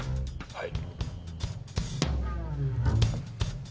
はい？